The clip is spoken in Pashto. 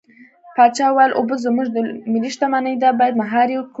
پاچا وويل: اوبه زموږ ملي شتمني ده بايد مهار يې کړو.